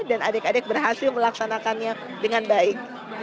dan adik adik berhasil melaksanakannya dengan baik